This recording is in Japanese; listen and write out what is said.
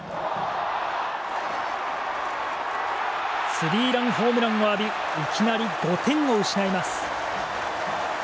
スリーランホームランを浴びいきなり５点を失います。